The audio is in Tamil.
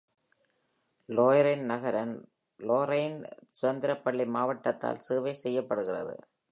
லோரெய்ன் நகரம் லோரெய்ன் சுதந்திர பள்ளி மாவட்டத்தால் சேவை செய்யப்படுகிறது.